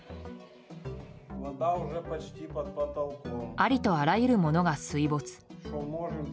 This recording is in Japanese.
ありとあらゆるものが水没。